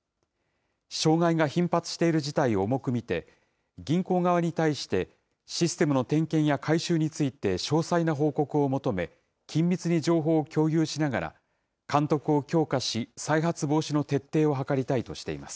障害が頻発している事態を重く見て、銀行側に対して、システムの点検や改修について、詳細な報告を求め、緊密に情報を共有しながら、監督を強化し、再発防止の徹底を図りたいとしています。